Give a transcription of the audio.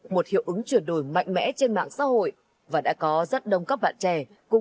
một hiệu ứng chuyển đổi mạnh mẽ trên mạng sau